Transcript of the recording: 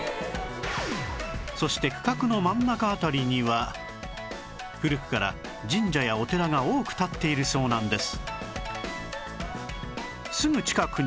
そして区画の真ん中辺りには古くから神社やお寺が多く立っているそうなんです